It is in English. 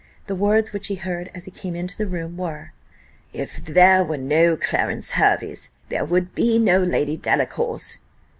The words which he heard as he came into the room were "If there were no Clarence Herveys, there would be no Lady Delacours."